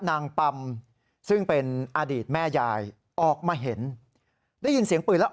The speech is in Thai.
ปัมซึ่งเป็นอดีตแม่ยายออกมาเห็นได้ยินเสียงปืนแล้ว